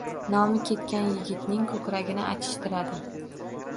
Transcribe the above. Nomi ketgan yigitning ko‘kragini achishtiradi